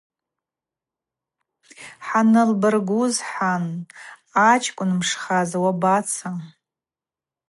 Хӏанылбгӏуз хӏан: А чкӏвын мшхаз, уабаца?